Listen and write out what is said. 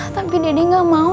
tapi dede gak mau